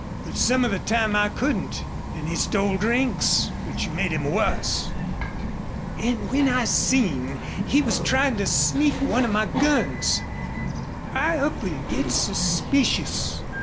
But some of the time I couldn't, an' he stole drinks, which made him wuss. An' when I seen he was tryin' to sneak one of my guns, I up an' gets suspicious.